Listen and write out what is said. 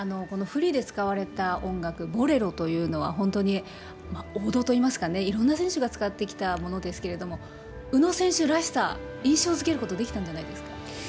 このフリーで使われた音楽、ボレロというのは本当に王道といいますかね、いろんな選手が使ってきたものですけれども、宇野選手らしさ、印象づけることできたんじゃないですか？